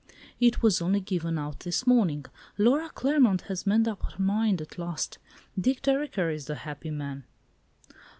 It was only given out this morning. Laura Claremont has made up her mind at last; Dick Dereker is the happy man!"